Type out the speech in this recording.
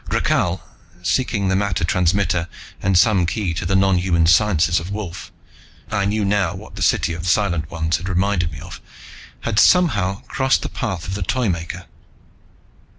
Rakhal, seeking the matter transmitter and some key to the nonhuman sciences of Wolf I knew now what the city of Silent Ones had reminded me of! had somehow crossed the path of the Toymaker.